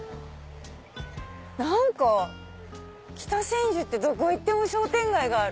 何か北千住ってどこ行っても商店街がある。